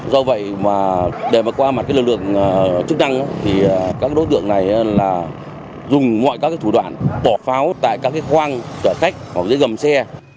do vậy mà để mà qua mặt cái lực lượng chức năng thì các đối tượng này là dùng mọi các thủ đoạn bỏ pháo tại các cái khoang chở khách hoặc dưới gầm xe